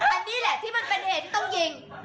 อันนี้แหละที่มันเป็นเหตุที่ต้องยิง